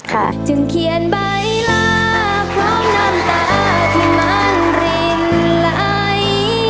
ถึงเขียนใบลาพร้อมน้ำตาที่มันรินไหล